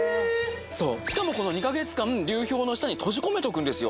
しかもこの２カ月間流氷の下に閉じ込めておくんですよ